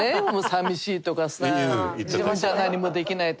寂しいとかさ自分じゃ何もできないって。